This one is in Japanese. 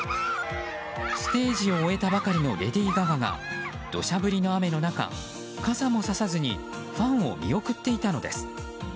ステージを終えたばかりのレディー・ガガが土砂降りの雨の中、傘もささずにファンを見送っていたのです。